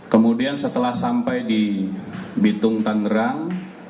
kemudian setelah sampai di bitung tangerang